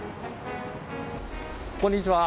こんにちは。